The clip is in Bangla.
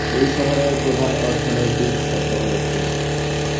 এই শহরের প্রধান অর্থনৈতিক ক্ষেত্র হ'ল কৃষি।